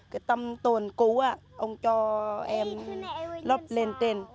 cái tăm tồn cũ á ông cho em lấp lên trên